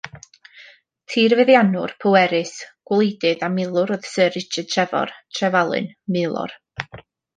Tirfeddiannwr pwerus, gwleidydd a milwr oedd Syr Richard Trefor, Trefalun, Maelor.